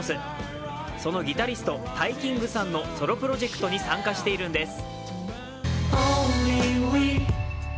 そのギタリスト、ＴＡＩＫＩＮＧさんのソロプロジェクトに参加しているんです。